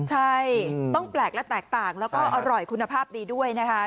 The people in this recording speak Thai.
ใช่ต้องแปลกและแตกต่างแล้วก็อร่อยคุณภาพดีด้วยนะคะ